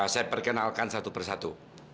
saya perkenalkan satu persatu